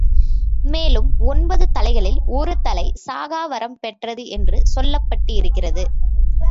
மேலும், ஒன்பது தலைகளில் ஒரு தலை சாகாவரம் பெற்றது என்றும் சொல்லப்பட்டிருக்கிறது.